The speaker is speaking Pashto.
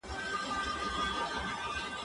زه پاکوالي ساتلي دي!.